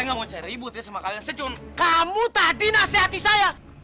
saya gak mau cari ribut ya sama kalian saya cuman kamu tadi nasihati saya